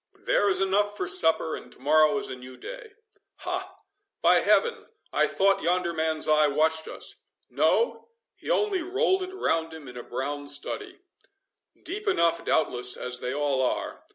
There is enough for supper, and to morrow is a new day.—Ha! by heaven I thought yonder man's eye watched us—No—he only rolled it round him in a brown study—Deep enough doubtless, as they all are.